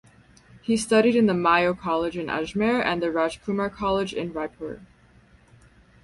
He studied in the Mayo College in Ajmer and the Rajkumar College in Raipur.